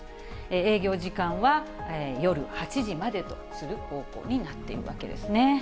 営業時間は夜８時までとする方向になっているわけですね。